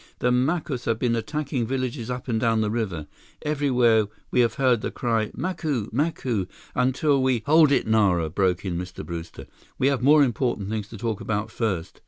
The Macus have been attacking villages up and down the river. Everywhere, we have heard the cry: 'Macu! Macu!' until we—" "Hold it, Nara," broke in Mr. Brewster. "We have more important things to talk about first."